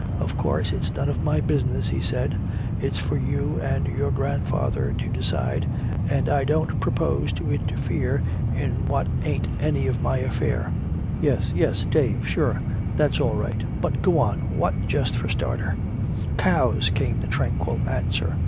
"Of course it's none of my business," he said, "it's for you and your grandfather to decide and I don't propose to interfere in what ain't any of my affair " "Yes, yes, Dave, sure! That's all right! But go on! What, just for a starter?" "Cows," came the tranquil answer.